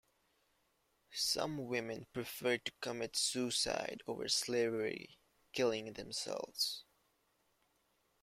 Some women preferred to commit suicide over slavery, killing themselves.